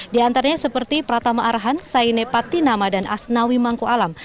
di antaranya seperti pratama arahan sainepati nama dan asnawi mangko alam